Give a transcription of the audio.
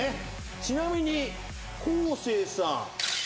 ちなみに昴生さん。